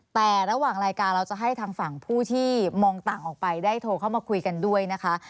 แต่ระหว่างรายการเราจะให้ทางฝั่งผู้ที่มองต่างออกไปได้โทรเข้ามาคุยกันด้วยนะคะ